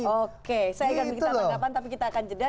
oke saya ingat begitu penganggapan tapi kita akan jeda